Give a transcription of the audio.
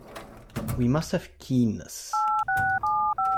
We must have keenness.